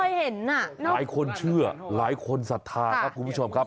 พี่ผู้ชมหลายคนเชื่อหลายคนสัทธาครับคุณผู้ชมครับ